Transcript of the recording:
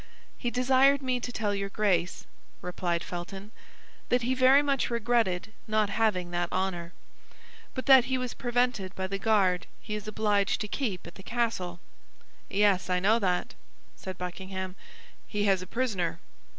"He desired me to tell your Grace," replied Felton, "that he very much regretted not having that honor, but that he was prevented by the guard he is obliged to keep at the castle." "Yes, I know that," said Buckingham; "he has a prisoner."